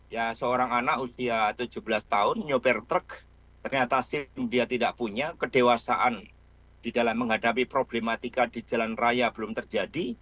ya seorang anak usia tujuh belas tahun nyopir truk ternyata dia tidak punya kedewasaan di dalam menghadapi problematika di jalan raya belum terjadi